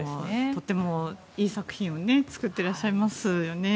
とてもいい作品を作っていらっしゃいますよね。